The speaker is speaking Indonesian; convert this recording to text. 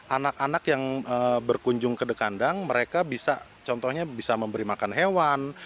anak anak yang berkunjung ke dekandang mereka bisa contohnya bisa memberi makan hewan